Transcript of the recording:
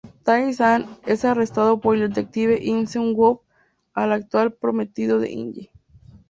Tae-san es arrestado por el detective Im Seung-woo, el actual prometido de In-hye.